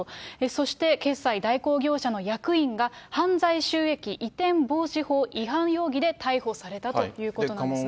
そして決済代行業者の役員が犯罪収益移転防止法違反容疑で逮捕されたということなんです。